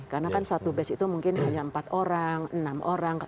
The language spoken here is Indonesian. karena kan satu batch itu mungkin hanya empat orang enam orang